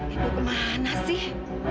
ibu kemana sih